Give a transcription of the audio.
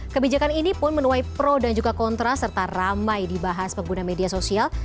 kebijakan ini pun menuai pro dan juga kontra serta ramai dibahas pengguna media sosial